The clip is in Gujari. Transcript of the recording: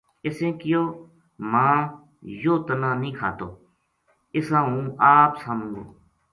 اِسیں کہیو" ماں یوہ تنا نیہہ کھاتو اِساں ہوں آپ ساموں گو"